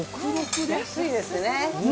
安いですね。